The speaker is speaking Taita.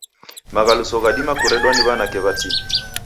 Maghaluso ghadima kuredwa ni w'anake w'atini.